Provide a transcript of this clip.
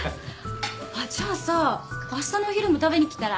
あっじゃあさあしたのお昼も食べに来たら？